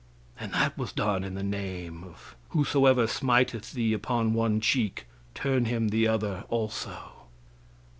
And that was done in the name of "Whosoever smiteth thee upon one cheek, turn him the other also."